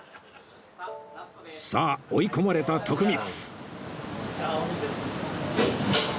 さあ追い込まれた徳光